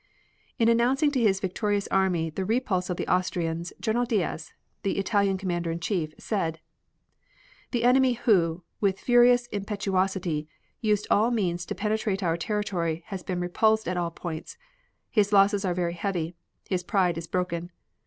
In announcing to his victorious army the repulse of the Austrians General Diaz, the Italian Commander in Chief, said: "The enemy who, with furious impetuosity, used all means to penetrate our territory has been repulsed at all points. His losses are very heavy. His pride is broken.